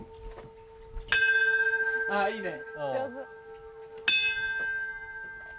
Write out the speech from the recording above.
あぁいいね。